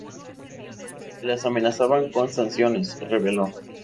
Las amenazaban con sanciones", reveló.